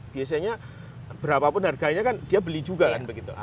biasanya berapapun harganya kan dia beli juga kan begitu